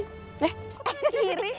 kok tangan kiri